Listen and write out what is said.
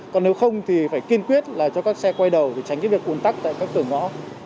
còn nếu không thì phải kiên quyết là cho các xe quay đầu để tránh cái việc ủn tắc tại các cửa ngõ